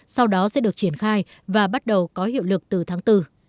sau đó sẽ được triển khai và bắt đầu có hiệu lực từ tháng bốn